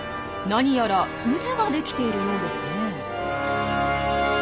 何やら渦が出来ているようですね。